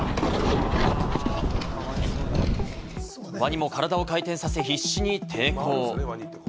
ワニも体を回転させ、必死に抵抗。